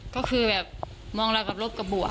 ก็คือมองเรากับรบกับบวก